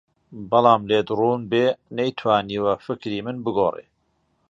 بەڵام لێت ڕوون بێ نەیتوانیوە فکری من بگۆڕێ